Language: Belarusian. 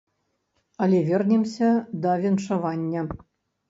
Але вернемся да віншавання.